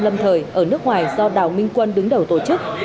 lâm thời ở nước ngoài do đào minh quân đứng đầu tổ chức